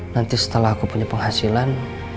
nanti setelah aku punya penghasilan